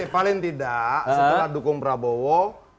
paling tidak setelah dukung prabowo